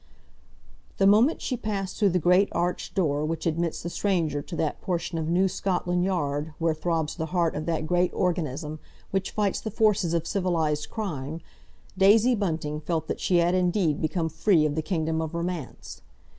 The moment she passed though the great arched door which admits the stranger to that portion of New Scotland Yard where throbs the heart of that great organism which fights the forces of civilised crime, Daisy Bunting felt that she had indeed become free of the Kingdom of Romance.